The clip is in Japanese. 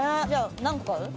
何個買う？